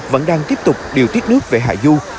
vẫn đang tiếp tục điều tiết nước về hạ du